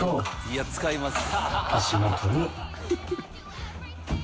いや使います。